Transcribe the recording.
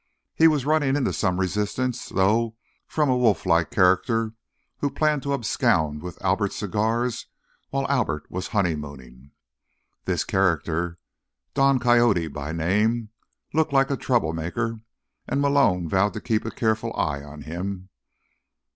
He was running into some resistance, though, from a wolflike character who planned to abscond with Albert's cigars while Albert was honeymooning. This character, Don Coyote by name, looked like a trouble maker, and Malone vowed to keep a careful eye on him.